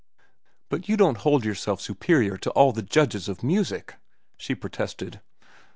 "But you don't hold yourself superior to all the judges of music?" she protested.